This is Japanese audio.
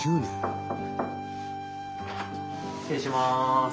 失礼します。